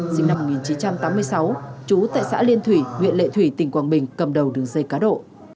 sinh năm một nghìn chín trăm tám mươi sáu chú tại xã liên thủy nguyện lệ thủy tỉnh quảng bình cầm đầu đường xây cá độ